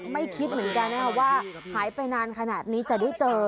คิดเหมือนกันนะคะว่าหายไปนานขนาดนี้จะได้เจอ